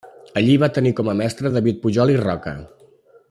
Allí va tenir com a mestre David Pujol i Roca.